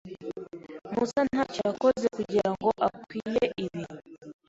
Musa ntacyo yakoze kugirango akwiye ibi.